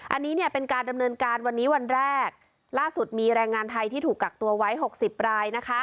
อันนี้เนี่ยเป็นการดำเนินการวันนี้วันแรกล่าสุดมีแรงงานไทยที่ถูกกักตัวไว้หกสิบรายนะคะ